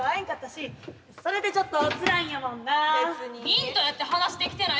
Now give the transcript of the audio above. ミントやって話できてないし最後。